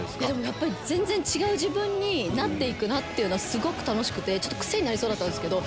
やっぱり全然違う自分になっていくってすごく楽しくて癖になりそうだったんですけど。